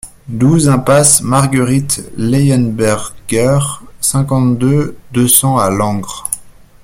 douze impasse Marguerite Leyenberger, cinquante-deux, deux cents à Langres